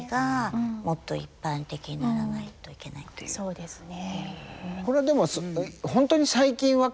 そうですね。